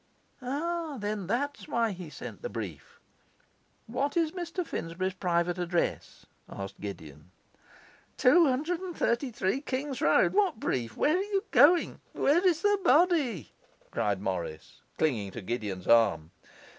'Then that is why he sent the brief! What is Mr Finsbury's private address?' asked Gideon. '233 King's Road. What brief? Where are you going? Where is the body?' cried Morris, clinging to Gideon's arm.